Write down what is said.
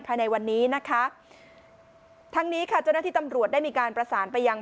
ภายในวันนี้นะคะทั้งนี้ค่ะเจ้าหน้าที่ตำรวจได้มีการประสานไปยัง